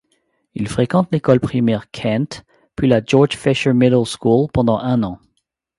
Il fréquente l'école primaire Kent puis la George Fischer Middle School pendant un an.